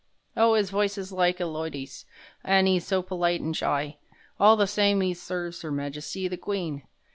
Oh, 'is voice is like a loidy's An' 'e's so polite an' shy! (All the same 'e serves 'Er Majesty the Queen!)